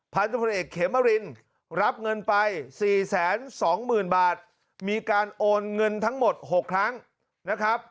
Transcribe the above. พันธุรกิจเอกเขมรินรับเงินไป๔๒๐๐๐บาทมีการโอนเงินทั้งหมด๖ครั้งนะครับ